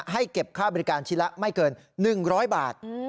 ให้เก็บค่าบริการชิ้นละไม่เกิน๑๐๐บาท